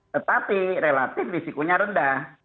tetapi relatif risikonya rendah